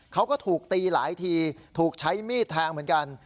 เขาก็ถูกตีหลายทีถูกใช้มีดแทงเหมือนกัน